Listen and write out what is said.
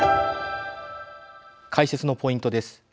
解説のポイントです。